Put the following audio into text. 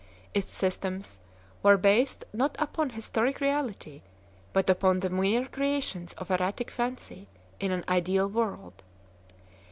Its systems were based not upon historic reality, but upon the mere creations of erratic fancy in an ideal world.